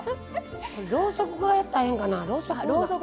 ろうそく加えたらええんかな。